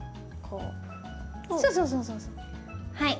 はい。